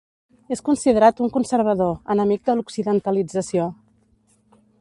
És considerat un conservador, enemic de l'occidentalització.